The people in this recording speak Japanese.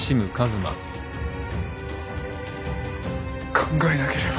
考えなければ！